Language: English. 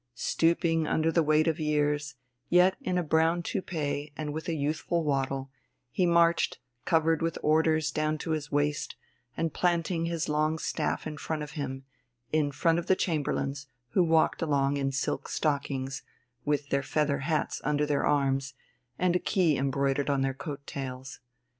Stooping under the weight of years, yet in a brown toupée and with a youthful waddle, he marched, covered with orders down to his waist and planting his long staff in front of him, in front of the chamberlains, who walked along in silk stockings with their feather hats under their arms and a key embroidered on their coat tails.